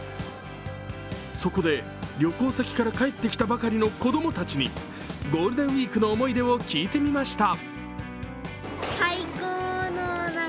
そこで旅行先から帰ってきたばかりの子供たちにゴールデンウイークの思い出を聞いてみました。